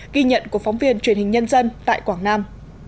ghi nhận của phóng viên truyền hình nhân dân tại quảng nam